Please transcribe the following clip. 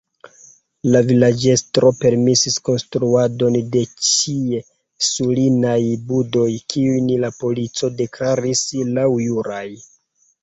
La vilaĝestro permesis konstruadon de ĉiesulinaj budoj, kiujn la polico deklaris laŭjuraj.